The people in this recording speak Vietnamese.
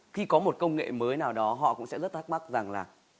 khi có một công nghệ mới nào đó họ cũng sẽ rất thắc mắc rằng là